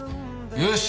よし！